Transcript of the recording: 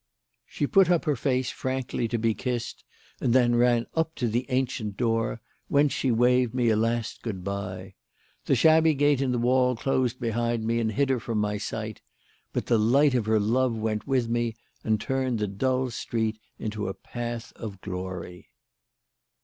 She put up her face frankly to be kissed and then ran up to the ancient door; whence she waved me a last good bye. The shabby gate in the wall closed behind me and hid her from my sight; but the light of her love went with me and turned the dull street into a path of glory.